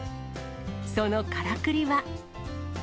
そのからくりは。